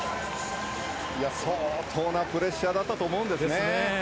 相当なプレッシャーだったと思うんですね。